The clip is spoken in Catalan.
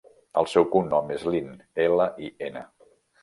El seu cognom és Lin: ela, i, ena.